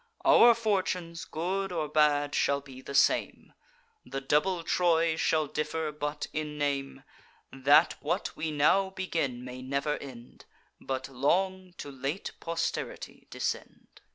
Our fortunes, good or bad, shall be the same: The double Troy shall differ but in name; That what we now begin may never end, But long to late posterity descend.